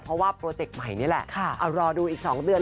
เพราะว่าโปรเจกต์ใหม่นี่แหละเอารอดูอีก๒เดือน